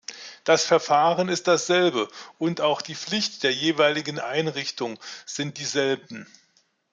Das Verfahren ist dasselbe, und auch die Pflichten der jeweiligen Einrichtung sind dieselben.